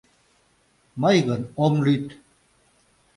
Мый гын ом лӱд.